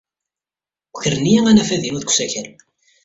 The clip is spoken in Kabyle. Ukren-iyi anafad-inu deg usakal.